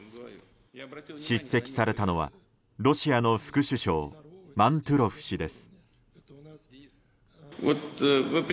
叱責されたのは、ロシアの副首相マントゥロフ氏です。